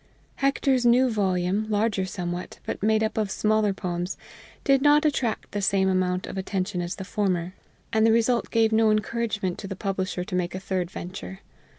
Hector's new volume, larger somewhat, but made up of smaller poems, did not attract the same amount of attention as the former, and the result gave no encouragement to the publisher to make a third venture.